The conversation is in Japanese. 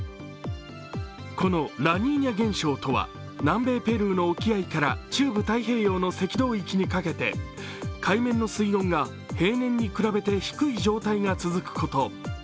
このラニーニャ現象とは南米ペルーの沖合から中部太平洋の赤道域にかけて、海面の水温が平年に比べて低い状態が続くこと。